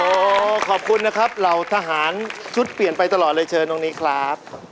โอ้โหขอบคุณนะครับเหล่าทหารชุดเปลี่ยนไปตลอดเลยเชิญตรงนี้ครับ